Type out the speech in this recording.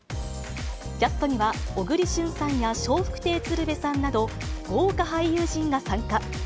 キャストには、小栗旬さんや笑福亭鶴瓶さんなど、豪華俳優陣が参加。